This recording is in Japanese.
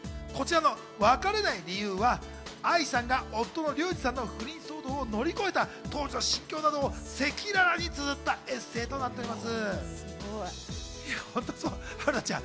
こちらの『別れない理由』は愛さんが夫の龍二さんの不倫騒動を乗り越えた当時の心境などを赤裸々につづったエッセイとなっております。